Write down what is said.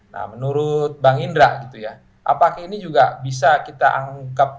nah menurut bang indra gitu ya apakah ini juga bisa kita anggap